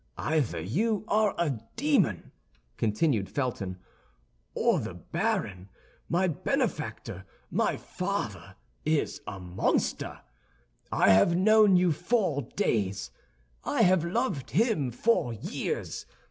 "Either you are a demon," continued Felton, "or the baron—my benefactor, my father—is a monster. I have known you four days; I have loved him four years.